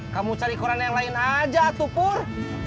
kamu cari koran yang lain aja tuh pur